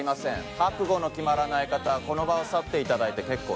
覚悟の決まらない方はこの場を去っていただいて結構です。